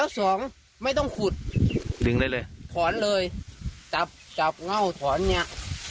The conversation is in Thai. สองไม่ต้องขุดดึงได้เลยถอนเลยจับจับเง่าถอนเนี่ย